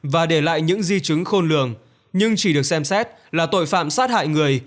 và để lại những di chứng khôn lường nhưng chỉ được xem xét là tội phạm sát hại người